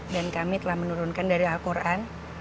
dan kami telah menurunkan dari al quran